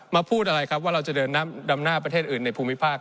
พูดอะไรครับว่าเราจะเดินดำหน้าประเทศอื่นในภูมิภาค